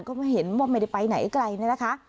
ก็ไม่เห็นว่าไม่ได้ไปไหนไกลเนี่ยนะคะ